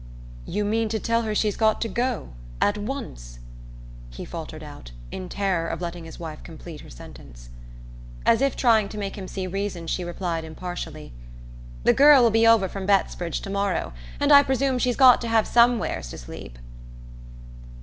"You mean to tell her she's got to go at once?" he faltered out, in terror of letting his wife complete her sentence. As if trying to make him see reason she replied impartially: "The girl will be over from Bettsbridge to morrow, and I presume she's got to have somewheres to sleep."